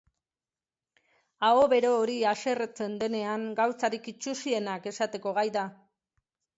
Aho bero hori haserretzen denean gauzarik itsusienak esateko gai da.